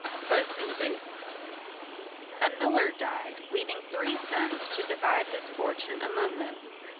PUSS IN BOOTS A miller died, leaving three sons to divide his fortune among them.